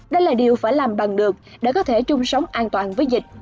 đây là điều phải làm bằng được để có thể chung sống an toàn với dịch